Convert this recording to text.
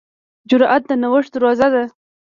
جرأت د نوښت دروازه ده.